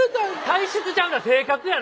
体質ちゃうな性格やな